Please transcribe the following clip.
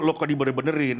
lo kan diberi benerin